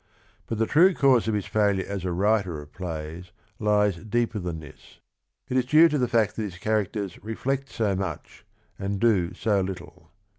But the true cause of his failure as a writer of plays lies deeper than this. It is due to the fact that his characters reflect so much, and do so little.